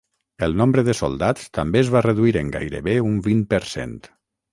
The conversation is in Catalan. El nombre de soldats també es va reduir en gairebé un vint per cent.